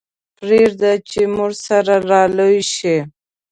پرېږده چې موږ سره را لوی شي.